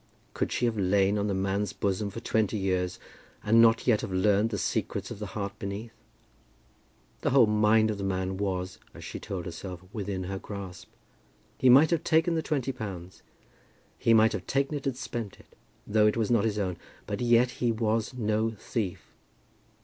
Could she have lain on the man's bosom for twenty years, and not yet have learned the secrets of the heart beneath? The whole mind of the man was, as she told herself, within her grasp. He might have taken the twenty pounds; he might have taken it and spent it, though it was not his own; but yet he was no thief.